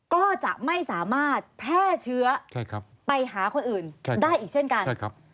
ก็จะไม่สามารถแพร่เชื้อไปหาคนอื่นได้อีกเช่นกันใช่ครับ